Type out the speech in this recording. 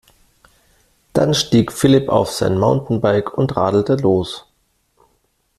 Dann stieg Philipp auf sein Mountainbike und radelte los.